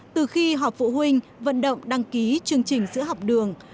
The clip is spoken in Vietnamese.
từ khi họp phụ huynh vận động đăng ký chương trình sữa học đường